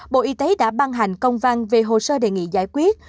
bộ y tế đã ban hành công văn về hồ sơ đề nghị giải quyết